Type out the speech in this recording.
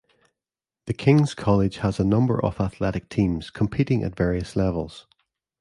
The King's College has a number of athletic teams, competing at various levels.